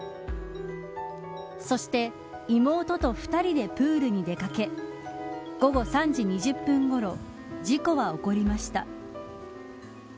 そして妹と２人でプールに出掛け午後３時２０分ごろ事故は起こりました。